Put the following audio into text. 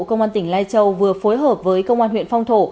công an tỉnh lai châu vừa phối hợp với công an huyện phong thổ